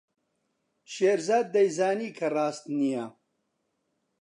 شێرزاد دەیزانی کە ڕاست نییە.